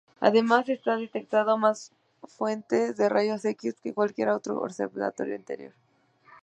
Además, está detectando más fuentes de rayos X que cualquier otro observatorio anterior.